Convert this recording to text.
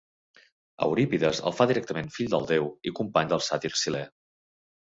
Eurípides el fa directament fill del déu i company del sàtir Silè.